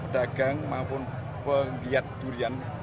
dagang maupun penggiat durian